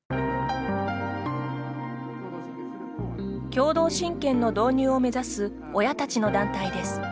共同親権の導入を目指す親たちの団体です。